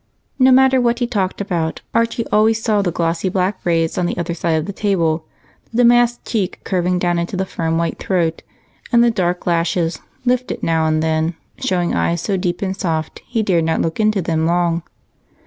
No matter what he talked about, Archie always saw the glossy black braids on the other side of the table, the damask cheek curving down into the firm white throat, and the dark lashes, lifted now and then, showing eyes so deep and soft he dared not look into them long.